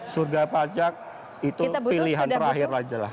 surga pajak itu pilihan terakhir aja lah